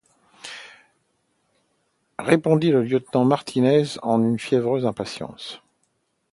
répondit le lieutenant Martinez avec une fiévreuse impatience